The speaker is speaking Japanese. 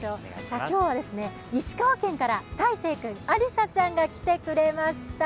今日は石川県から、たいせい君、ありさちゃんが来てくれました。